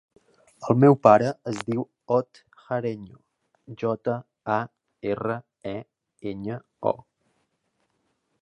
El meu pare es diu Ot Jareño: jota, a, erra, e, enya, o.